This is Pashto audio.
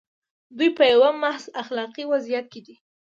دوی په یوه محض اخلاقي وضعیت کې دي.